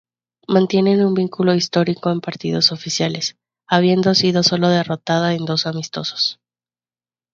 Mantiene un invicto histórico en partidos oficiales, habiendo sido solo derrotada en dos amistosos.